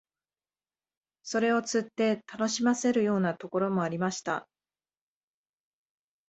それを釣って楽しませるようなところもありました